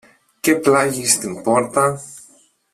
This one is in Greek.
Και πλάγι στην πόρτα